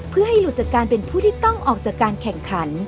เพื่อให้หลุดจากการเป็นผู้ที่ต้องออกจากการแข่งขัน